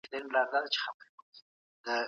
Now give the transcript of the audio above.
د بهرنیو پالیسي پلي کول تل بریالي نه وي.